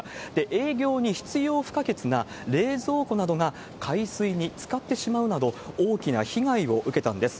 営業に必要不可欠な冷蔵庫などが海水につかってしまうなど、大きな被害を受けたんです。